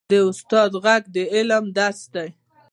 د استاد ږغ د علم درس دی.